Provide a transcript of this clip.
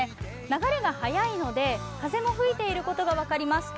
流れが速いので、風も吹いていることが分かります。